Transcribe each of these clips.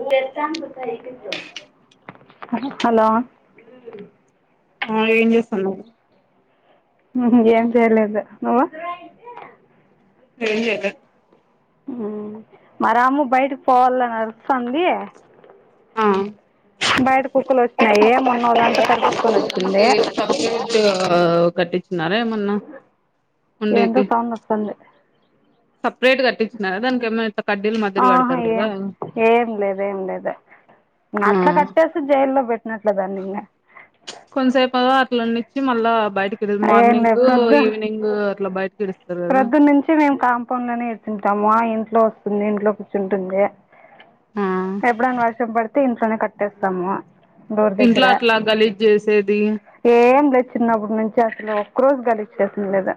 ఉవతాం విసరిించ చ హలో ఆ ఏం చేస్తున్నావ్ ఉహు ఏం చేయలేదు నువు ఎం చేయలే మా రాము బయటకి పోవాలని అరుస్తాంది ఆ బయట కుక్కలు వచ్చినాయి మొన్న ఒకదాంతో కరిపిచ్ చప్లట్ కట్టిచినారా ఏమన్నా ఏందో ఉండేకి సౌండ్ వస్తాంది సపరేట్ కట్టిచినారా దానికి ఏమైనా ఆహా ఏం ఏం లేదు ఏం లేదు ఆ అట్లా కట్టేసి జైలుల్లో పెట్టినట్లే దాన్ని ఇంక కొంతసేపు అలా అట్లున్నిచ్చి మళ్ళా బయటకి ఏం మార్నింగ్ ఈవినింగ్ అట్లా బైట ప్రొద్దున్న నుంచి మేము కాంపౌండ్ లోనే ఎడుస్తుంటామ ఆ ఇంట్లో వస్తుంది ఇంట్లో కూర్చుంటుంది ఆ ఎప్పుడనా వర్షం పడితే ఇంట్లోనే కట్టేస్తాము డోర్ ఇంట్లో దగ్ర అట్లా గలీజ్ చేసేది ఏం లేదు చిన్నపటినుంచి చేస్తలేదు ఒక్క రోజు గలిచ్చేసం లేదా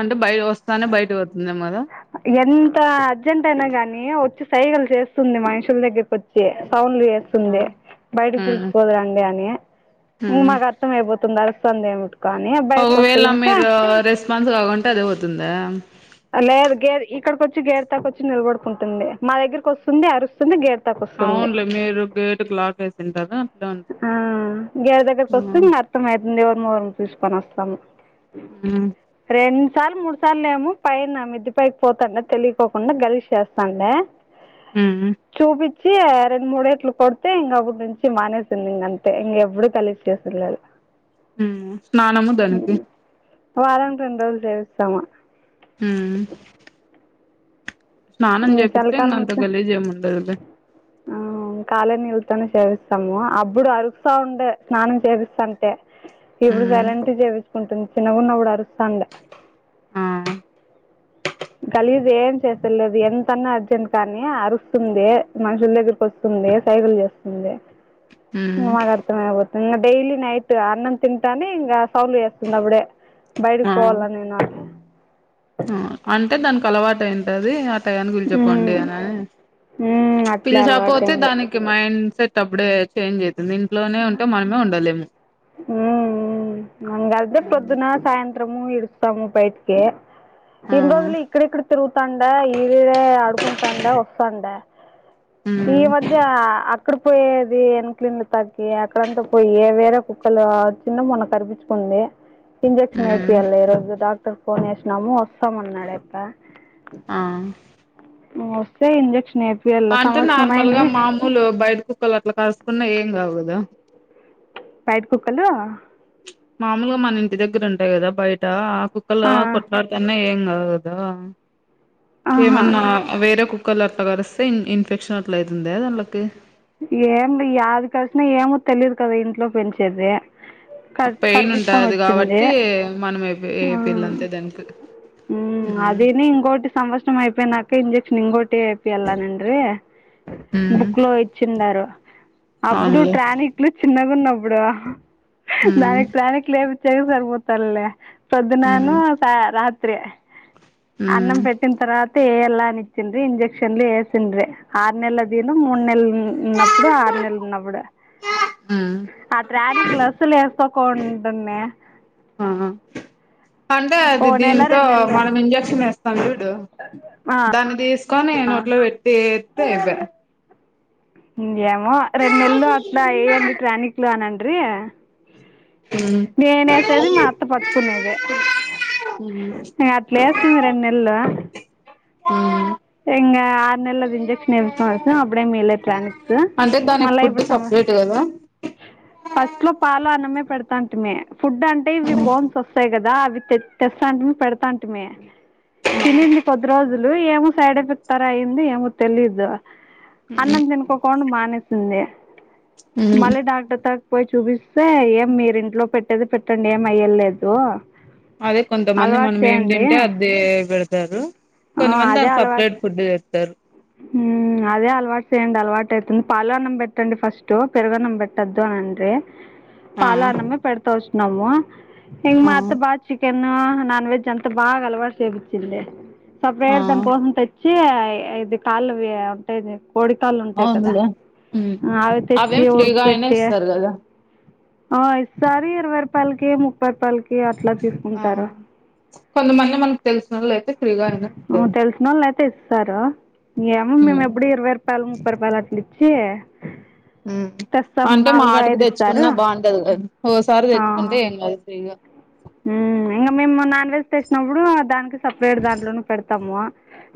అంటే బయి వస్తానే బయటకి పోతుందఏమోదా ఎంత అర్జెంట్ అయినా గాని వచ్చి సైగలు చేస్తుంది మనుషుల దగ్గరకి వచ్చి ఆ వేస్తుంది బయటకి ఉమ్ పిల్సొకురాండని ఇంక ఉమ్ మాకు అర్థం అయిపోతుంది అల సందేముటు ఒకవేళ మీరు రెస్పాన్స్ కాకుంటే అదే పోతుందా లేదు గే ఇక్కడిక వచ్చి గేట్దాకా వచ్చి నిలబడుకుంటుంది మా దగ్గరకి వస్తుంది అరుస్తుంది గేట్ అవునులే మీరు గేట్కు లాక్ వేసింటారు అట్లా ఉంటది గేదె దగ్గరకు ఉమ్ వస్తది అర్థం అవుతుంది ఎవర్నీవర్ తీసుకొని వస్తాది ఆ సార్ మూడు సార్లు ఏమో పైన మిద్ది పైకి పోతాండే తెలియకోకుండా గలీజ్ చేస్తాండే ఆ వచ్చి రెండు మూడు ఏట్లు కొడ్తే ఇంక అ నుంచి మానేసింది ఇక అంతే ఇంక ఎప్పుడు కలిసి చేసలేదు హ్మ్ స్నానము దాన్కి వరంకి రెండు రోజులు చేపిస్తాము హ్మ్ చాల కల్ అంత ముచ్చ గలీజ్ ఏమి ఉండదులే ఆ కాలే నిల్తు ను చేపిస్తాము అప్పుడు అరుస్తా ఉండే స్నానం చేపిస్తాంటే ఇప్పుడు ఉమ్ సైలెంట్ చేపీచుకుంటుంది చిన్నగున్నప్పుడు అరుస్తాండే ఆ గలీజ్ ఏం చేస్తాలేదు ఎంతన్నా అర్జెంట్ కానీ అరుస్తుంది మనుషుల దగ్గరకి వస్తుంది సైగలు చేస్తుంది ఉమ్ మగడతమ ఆతు ఇ డైలీ నైట్ అన్నం తింటానే ఇంగ సౌలువ్ చేస్తుంది అప్పుడే బయటకి ఆ పోవాల నేను అనీ తింటాది ఆర్ టయాంకి ఊర్కే పోండి అన అట్లే పిల్వపోతే అలవాటైంది దానికి మైండ్ సెట్ అప్పుడే చేంజ్ అవుతుంది ఇంట్లోనే ఉంటే మనమే ఉండలేము హ్మ్ అదే ఉమ్ పొద్దున సాయంత్రము ఇడ్స్స్తాము బయట్కె ఆ ఇన్ని రోజులు ఇక్కడ ఇక్కడ తిరుగుతాండ ఈరే ఆడుకుంటాండా వస్తాండ ఈ ఉమ్ మధ్య అక్కడ పోయేది వెనకలింలు తగ్గి అక్కడంతా పోయి వేరే కుక్కలు చిన్న మొన్న కరిపించుకుంది ఇంజెక్షన్ ఉమ్ ఏపియాలి ఈ రోజు డాక్టర్ ఫోన్ చేసినాము వస్తామంనాడాక్క ఆ నువోస్తే ఇంజెక్షన్ వేపియాలి అంటే సంవత్సరం నార్మల్గా అయింది మామూలు బయట కుక్కలు అట్లా కర్స్కుకున్నా ఏం కావుకదా బైట్ కుక్కలు మామూలుగా మన ఇంటి దగ్గర ఉంటాయి కదా బయట ఆ కుక్కలు ఆ, కొట్టలాడున్నా ఏం అదా ఆహా ఏమన్నా వేరే కుక్కల ఆ కరుస్తే ఇన్ ఇన్ఫెక్షన్ అట్లాయితుంద వాళ్ళకి ఏం యాది కరిసినా ఏమో తెలియదు కదా ఇంట్లో పెంచేదిే అ పెయిన్ ఉంటాది కాబట్టి మనం ఏ ఏపియాలి అంతే దానికి ఉ ఉమ్ అదిని ఇంగోటి సంవత్సరం అయిపోనాక ఇంజెక్షన్ ఇంగోటిి అయిపోయల్లా అన్నిడ్రి ఉమ్ బుక్కు లో ఇచ్చిన్ డారు అప్పుడు అవునులే ట్రానిక్లు చిన్నగూన్నవ్ ఇప్పుడు ఉహ్ ఉమ్ దానిక్ ట్రనిక్ల్ లేపిచ్చేక్ సరిపోతలే పొద్దున్న ఉమ్ అను సా రాత్రి ఉమ్ అన్నం పెటిన్ తరత ఏయల్లా అనిచ్చింది ఇంజెక్షన్ లు ఏసిన్ డ్రె ఆర్ నెల్లక్ దెందు మూడ్ నెల్ హ్మ్ ఉన్నప్పుడు ఆరు నెల్ ఉన్నప్పుడు ఉమ్ ఆ ట్రానిక్ క్లస్స్ లేస్కో కొంటేనే ఆ అంటే అది దీంతో మనం ఇంజెక్షన్ ఏస్తాం సల్ ఫిడు దాన్ దిసుకొని నోట్లో వేట్టిఏతే ఐపై ఇంగ్ ఏమో రెండ్ నెల్లు అట్లా ఏయండి ట్రానిక్లు అనండ్రి ఉమ్ నేనేసిది మా అత్త పట్టుకునేదే ఉమ్ ఉమ్. అట్లేస్తిమి రెన్ నెల్లు ఔనా ఇంగా ఆర్ నెలది ఇంజెక్షన్ ఏపీస్ కోన్ వొచ్చినం అబీడే మీళ్లేే ప్లానే అంటే దానక్ ఫుడ్డు సప్ రేట్ కదా ఫస్ట్ లో పాలు అన్నమే పెడ్ తాంటిమి ఫుడ్ అంటే ఇవి బోన్స్ ఓస్తయి కదా అవి తెస్ తేసాంటిమి పెడ్ తాంటిమి తినింది కొద్ది రోజు లు ఏమో సైడ్ ఎఫెక్టర్ ఐయింది ఏమో తెలీదు హ్ అన్నం తినుకోకున్ మానేసింది ఉమ్ మళ్ళ డాక్టర్ తాక్ పోయి చూపిస్తే ఏం మీర్ ఇంట్లో పెట్టేది పెట్టండి ఏం అయ్యేలేదు అదే కొంతమంది మనం ఏం దింటే అదే పెడతారు ఆ కొంతమంది అదే దాన్ ఆ సప్ అలవాటు రేట్ ఫుడ్డు దేత్తారు ఉమ్ అదే అలవాట్ చేయండి అలవాట్ ఐ హ్మ్ పాలన్నం పెట్టండి ఫస్ట్ పెరుగన్నం బెట్టద్దు అన్ అంటే ఆ పాలన్నమే పెడ్ తా వోచ్ నము ఇంగ్ ఆ మాఅత్త బా చికెన్ నాన్ నా నాన్ వెజ్ అంతా బాగా అలవాట్ చేేపిచ్చింది సప్ ఆ రేట్ దాన్ కోసం తెచ్చి య్ ఏ ఐదు కాళ్ళవి అవ్ ఉంటాయ్ దే కోడి కాళ్ళుంటాయ్ కదా అవునులే ఉమ్ అవి తెచ్ అవేం ఫ్రీగా ఐనే ఇస్తర్ గదా ఆ ఈస్సరి ఇరవై రూపాల్ కే ముప్పై రూపాల్ కే అట్లా తీసుకుంటారు అవును కొంతమంది మనకు తెలిసినోళ్ళు అయితే ఫ్రీగా అయినా ఆ ఇస్తారు తెల్సినోల్ ఐతే ఇస్తారా ఏమో ఉమ్ మేమ్ ఎప్పుడు ఇరవై రూపాల్ ముప్పై రూపాల్ అట్లిచ్చి హే ఉమ్ అంటే మాటుక్ దేచ్చుకున్నా బాఉంటది గదు ఓ సారి ఆ దేచ్చుకుంటే ఎమ్ గాదు ఫీగా తెేస్ నప్పుడు దాన్ కీ సప్ రేట్ దాంట్లోన్ పెడతము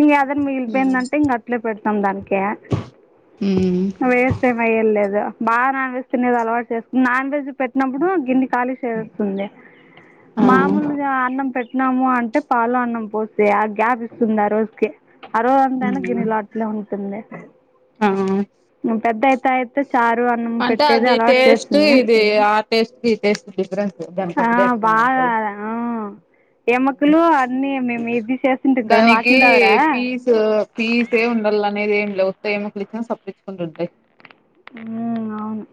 ఇంగ్యదన్ మిగిల్ పెందంటే ఇంగ అట్లే పెడతాం దానికే వేస్ట్ ఏమ్ అయేమ్ లేదు బా నాన్ వెెజ్ తినేది అలవాట్ చేస్ కునే నాన్ వెెజ్ పెట్ నప్పుడు గిన్నే ఖాళీ చేజేస్తుంది ఆ మామూలుగా అన్నం పెట్ తిన్నాము అంటే పాలు అన్నం పోస్తే ఆ గ్యాప్ ఇచ్చింది ఆ రోజ్ కీ అరో అందేనా గిన్నలాట్లే ఉంటుంది ఆ ఉమ్ పెదైతైత్ అంటే అది టెస్టు ఇది ఆ టేస్ట్ దీ టేస్టు డిఫరెన్సు దాన్ ఆ కప్పుడే అటుంది బాగా ఎవ్ర్ ఆ ఉమ్ ఎముకలు ప్చ్ అన్నీ మేము ఇది చేస్తుంటాం కదా దానికి వాటిల ద్వారా పీసు పీసే ఉండాలనేది ఏంలే ఉత్త ఎమ్కులిచ్చిన సప్పరించుకున్ రుదై హ్మ్ ఔను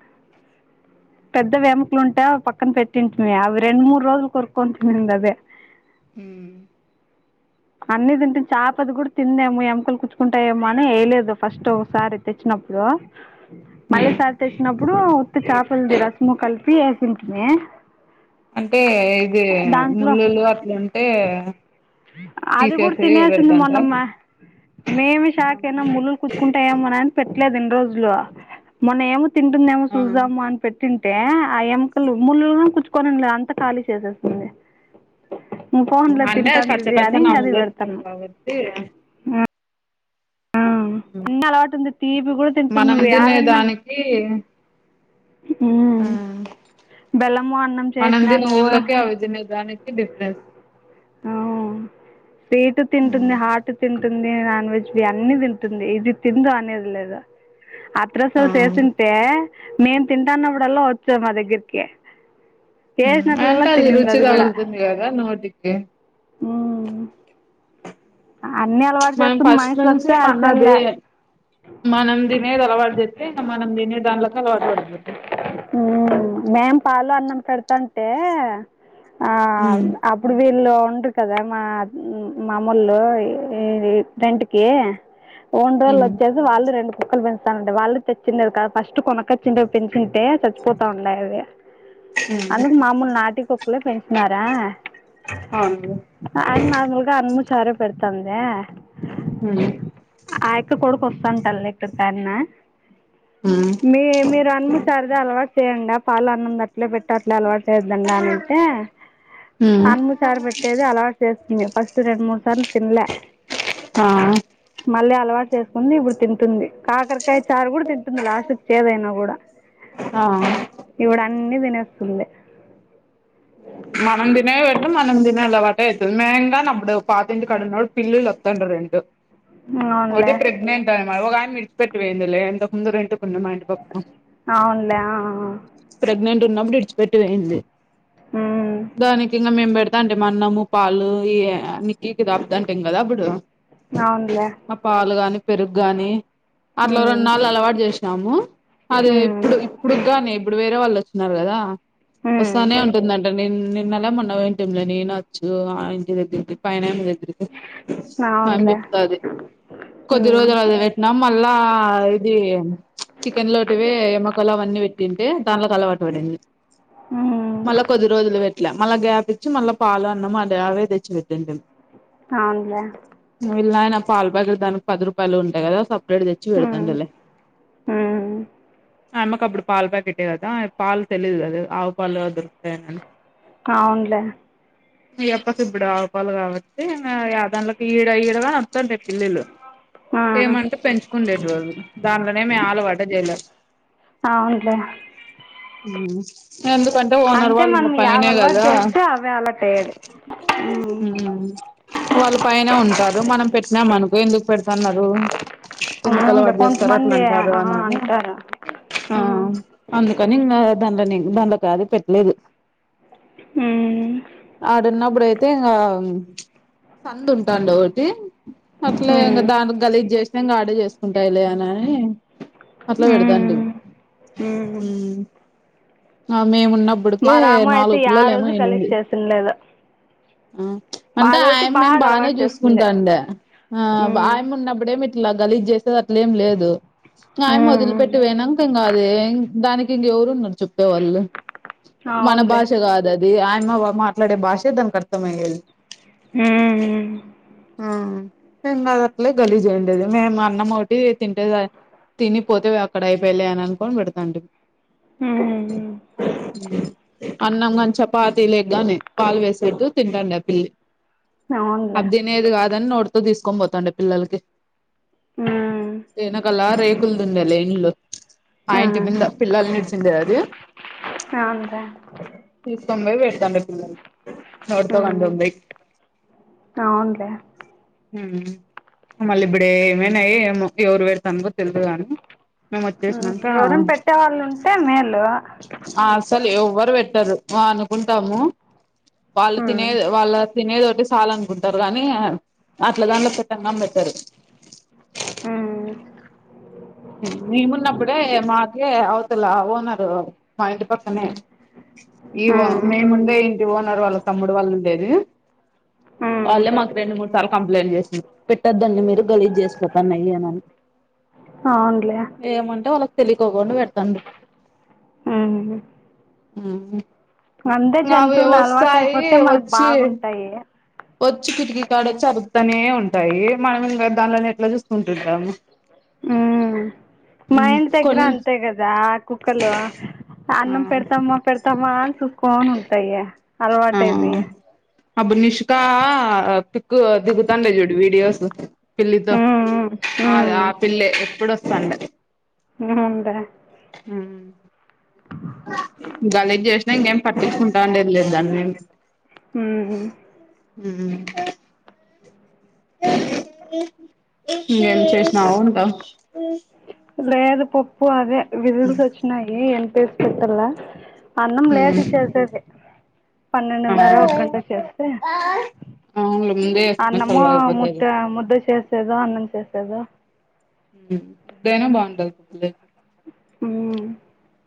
పెద్ద వెమ్ కలు ఉంటే ఒక్ పక్కన పెట్టుంటిమి అవి రెండు మూడు రోజుల్ కొరుకోన్ తినింది అదే ఊమ్ అన్ని తింటి చేపది కూడా తిందేమో ఎముకలు కూచ్చుకుంటాయేమో అని వేయలేదు ఫస్ట్ ఒకసారి తెచ్చినప్పుడు మళ్ళీ సారితెచ్చినప్పుడు ఉత్త చేపలది రసము కలిపి వేసింటిమీ. అంటే ఇది దాంట్లో ముళ్ళులు అట్లుంటే అది కూడా తీసేసి తినేసింది పెడతాండ్రా మొన్నమ్మ మేమి షాక్ అయినా ముళ్లులు గుచ్చుకుంటాఏమో అని పెట్టలే రెండు రోజులు మొన్నేం తింటుందేమో ఆ చూద్దాము అని పెట్ తింటే ఆ ఎముకలు ముళ్ళలు గుచ్చుకొనుండే అంత ఖాళీ చేసేసింది. పోన్లే అంటే కచ్చ తింటాందిది కచ్చ అని అది నమిలేస్తది పేడతన్నా కాబట్టి ఊ ఆమ్ అన్ని అలవాటు ఉంది తీపి కూడా తింటుది మనం నువ్వే ఆ తినే దన్నం ఆ బెల్లము అన్నం మనంది చేసినా నువ్వు ములోకే అవిదినే దానికి డిఫరెన్స్ స్వీటు తింటుంది హాటు తిం టుంది నాన్ వెజ్ అన్నీ తింటుంది ఇది తిందు అనేది లేదా ఆ అత్రసలు చేసుంటే మేమ్ తింటాన్నప్పుడల్లా వచ్చేది మా దగ్గరికి చేసిన్నపుడు కూడా తినింది అది కూడా ఏ నోటికి అన్నీ అలవాటు మనం చేసుకుని ఫస్ట్ మనుషులు నుంచి వస్తే పాన్నదే అసలే అనం దినేద్ అలవాట్ జేత్తే ఇక మనం దినే దాన్ల ఊ మేం పాలఅన్నం పెడతంటే ఆ ఉమ్ అప్పుడు వీళ్ళు ఉంటీ కదా మా మామూలు ఈ రెంట్ కి ఓంటోళ్ళు ఉమ్ వచ్చేసి వాళ్ళు రెండు కుక్కలు పెంచ్తా ళ్ళు వళ్ళు తెచ్చి కదా ఫస్ట్ కొన కోచింటే పెంచుంటే చచ్చిపోతా ఉన్నాయి అవి అందుకు మామూలు నాటికి కు క్కలు పెంచినరా అవును ఆయమ్మ మాములుగా ముస్ సరే పెడుతందా ఉమ్ ఆ యక్క కొడుకు వస్తాంటల్ లే చెప్పాలిమ ఉమ్ మీ మీరు అన్నీ సరదా లు అలవాటు చేయడి పాల అన్నంద అట్లే పెట్టే అట్ల అలవాటు లేదు లెండి అని అంటే ఉమ్ అన్నీ సార్లు పెట్టేది అల్వట్ చేస్తిమి ఫస్ట్ రెండు, మూడు సార్లు తిన్లే ఆ మళ్ళీ అలవాటు చేసుకుంది. ఇప్పుడు తింటుంది కాకరకాయ చారు కూడా తింటుంది లాస్టుకి ఏదైనా కూడా ఆ ఇవ్వడ అన్నీ దినేస్తుంది. మనం తినే పెట్ట మనం తినే అలవాటే అయితుంది. మేంగా అప్పుడు పాతింటి కడున్నడు పిల్లులు వస్తండ రెండు ఒకటి అవునులే ప్రెగ్నెంట్ ఆమె ఓ ఆయమ్మ విడిచి పెట్టి పోయిందిలే ఎంతకుముందు రెండు ఉన్నన్ మాటి పప్పు అవునులే ఆ ఆ ప్రెగ్నెంట్ ఉన్నాప్పుడు విడిచి పెట్టి పోయింది. దానికి ఇంగా మేం పెడతా అంటే మా అన్నము, పాళ్లు ఈ ఏ అ నిక్కీ కి దాదన్ టేం కదా అప్పుడు అవునులే ఆ పాలు గాని, పెరుగు గాని అట్లా అవునులే రెంనళ్లు అలవాటు చేస దాము అదే ఇప్పుడు ఇప్పుడుగానే ఇప్పుడు వేరే వాళ్ళు వచ్చినారు కదా వస్తానే అ నేను నిన్నలా మొన్న ఇంటిమ్లోని నచ్చు ఆ ఇంటి దగ్గరకి పైన ఆమె దగ్ అం చెప్తాది కొద్ది రోజులు అది పెట్టినాం మళ్ళా ఇది చికెన్ లోటివే మ కోలవన్నీ పెట్టింటే దానిలోకి అలవాటు పడింది మళ్ళా కొద్ది రోజులు పెట్ ఇట్లా మళ్ళా గ్యాప్చ్చి మళ్ల పాలు, అన్నం అలా అవే తెచ్చి పెద్దండి కాన్ మొ వీళ్ల ఆయన పాలు పేకాట్ దానికి పది రూపాయలు ఉంటయి కదా స వీడు తెచ్చి పెడుతాండిలే ఆ అమ్మకి అప్పుడు పాలు ప్యాకెట్టే కదా పాలు తెలియదు కదా ఆవు పాలు దొరుకుతాయిని అవునులే ఈయప్పకిప్పుడు ఆవుపాలు కాబట్టి యాదంలకి ఈడ ఈడగాని వత్తండి పిల్లిలు ఏమంటే పెంచుకుండేటివి అవి దానిలోనే మేము అలవాటు చేయలే ఆవును లే హ్మ్ ఎందుకంటే ఓనర్ వాళ్ళు యావి పైనే అలవాటు కదా చేస్తే అవే అలవాటు అయ్యేది హ వాళ్లు పైనే ఉంటారు మనం పెట్టినాం అనుకో ఎందుకు పెడుతున్నారు ఎందుకు అవునులే అలవాటు చేస్తారు అట్లా కొంతమంది అంటారు ఆ అనని అంటారు ఆ ఉమ్, అందు కానీ ఇంగా దండని దండ కాదు పెట్టలేదు. ఉమ్, ఆడన్నప్పుడే అయితే ఇంగా సందు ఉంటండు ఒకటి అట్లే ఇంకా ఉమ్, దానికి గలిజ చేసి ఆట్లే చేసుకుంటాయిలే అని అని అట్లా పెడదాండిమి అ ఆ మేము ఉన్నప్పటికే నాలుగు ఏ పిల్లలు ఏమొ రోజు అయినాయి. గలీజ్ చేసింది లేదు ఆ అంటే అదొకటి ఆయమ్మె బాగా బానే అలవాటు చేస్తుంది చూసుకుంటాండే ఆ ఉమ్, ఆయమ్మ ఉన్నప్పుడే అట్లా గలీజ చేసేది అట్లేం లేదు ఆయమ్మ వొదిలి ఉమ్, పెట్టి పోయినాంక ఇంకాది దాని దింది ఎవరు ఉన్నారు చోప్పేవాళ్ళు మన అవునులే భాష కాద ది ఆయమ్మ మాట్లాడే భాషే దానికి అర్థంమయ్య ఉమ్, ఆ తిన్న దట్లే గలీజయండేది మేము అన్నం ఒకటి తింటేది. తినిపోతే అక్కడ అయిపోలే అని అనుకోని పెడతండి. హ అన్నంగాని, చపాతి లేగానే పాలు వేసేట్టు తింటండ ఆ పిల్లి అవునులే అబ్ తినేది కాదని నోటుతో తీసుకొని పోతాండి పిల్లలకి ఉమ్, ఎన్కలా రేకులుదుండే లే ఇల్లు ఆ ఇంటి మింద పిల్లలని విడిచిండే అది అంతా తొంబై పెడతాండు ఇప్పుడు ఎవడుతో ఉమ్, కంటుంది అవునులే హ మ్మళ్ళ బిడ ఇమేనాయ ఏమో ఎవరు వేర్ తందగు తెలదు కాని మేము ఉమ్, వచ్చేసానాంక ఎవరైనా పెట్టేవాళ్ళు ఉంటే మేలు అసలు ఎవ్వరు పెట్టరు వా అనుకుంటాము వాళ్ళు ఉమ్, తినేది వాళ్ళ తినేది ఒకటి చాల అనుకుంటారు గానీ అట్లా దాంట్లో పెట్టంగాని పెట్టరు. ఉమ్, త లా ఓనరు మా ఇంటి పక్కనే ఈ ఉమ్, మేముండే ఇంటి ఓ నారు వాళ్ళ తమ్ముడు వాళ్లు ఉండేది ఆ వాళ్ళే మాకు రెండు, మూడు సార్లు కంప్లైంట్ చేసింది పెట్టొద్దండి మీరు గలీజ్ చేసిపోతాన్నాయ్ అనని అవునులే వాళ్లకు తెలియకోకుండా పె ఆహు ఉహు మావి అలవాటు వస్తాయి అయిపోతే మనకు వచ్చి బాగుంటాయి వచ్చి కిటికీకాడ వచ్చి అరుత్తనే ఉంటాయి మనం ఇంగ దానిలని ఎట్లా చూసుకుంటుంది ఆమె ఉమ్. మా ఇంటి దగ్గర కొన్ అంతే కదా ఆ కుక్కలు అన్నం పెడతామా పెడతాం మాన్కోని ఉంటాయి అలవాటుయిపోయి అబ్బ నిష్కా పిక్కు దిగుతానులే చోడు వీడియోస్ పిల్లితో ఆ ఆ పిల్లి ఎప్పుడుస్తాండ ఉందా గలిజ్ చేసిన ఇంకేం పట్టించుకుం నుండలేందా అన్నే ఉందా ఉహు ఇంకేం చేసినావుంటా లేదు పప్పు అదే విజిల్స్ వచ్చినాయి ఎంత ఏస్ పెట్టలా అన్నం మ్మ్ లేేట్గా చేసేది. పన్నెండున్నార ఒక గంట చేస్తే అవునులే ముందే వేసుకున్న అన్నము చల్లగైపోతది ముద్ద ముద్ద చేసేదో, అన్నం చేసేదో ముద్దైనా బావుంటది పుప్పు లే అ